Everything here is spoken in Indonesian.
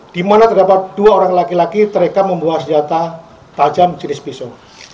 di mana terdapat dua orang laki laki mereka membawa senjata tajam jenis pisau